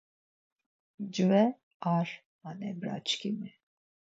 Mcve ar manebraçkimi.